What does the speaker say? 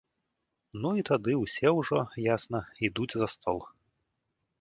Ну і тады ўсе ўжо, ясна, ідуць за стол.